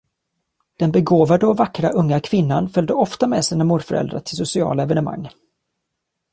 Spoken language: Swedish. Den begåvade och vackra unga kvinnan följde ofta med sina morföräldrar till sociala evenemang.